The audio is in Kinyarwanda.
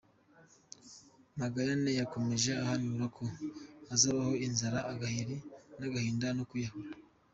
Magayane yakomeje ahanura ko hazabaho inzara, agahiri n’agahinda no kwiyahura.